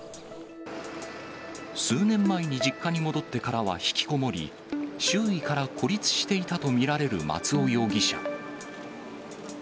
数年前に実家に戻ってからは引きこもり、周囲から孤立していたと見られる松尾容疑者。